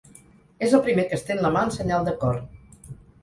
És el primer que estén la mà en senyal d'acord.